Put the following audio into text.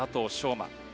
馬。